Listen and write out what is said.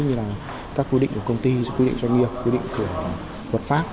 như là các quy định của công ty quy định doanh nghiệp quy định của luật pháp